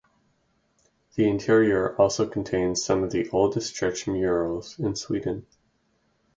The interior also contains some of the oldest church murals in Sweden.